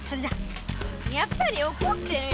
やっぱりおこってるよ。